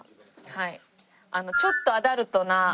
はい。